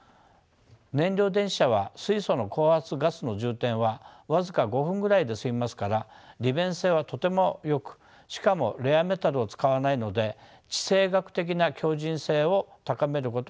燃料電池車は水素の高圧ガスの充填は僅か５分ぐらいで済みますから利便性はとてもよくしかもレアメタルを使わないので地政学的な強靭性を高めることができます。